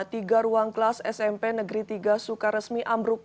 tiga ruang kelas smp negeri tiga sukaresmi ambruk